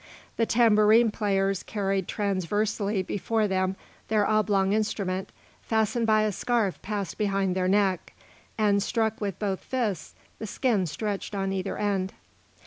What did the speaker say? The tambourine players carried transversely before them their oblong instrument fastened by a scarf passed behind their neck, and struck with both fists the skin stretched on either end.